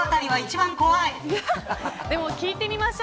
でも聞いてみましょう。